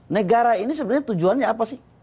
negara ini sebenarnya tujuannya apa sih